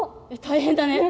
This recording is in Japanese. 大変だね。